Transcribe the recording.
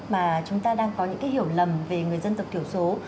mà chúng ta đang có những cái hiểu lầm về người dân tộc thiểu số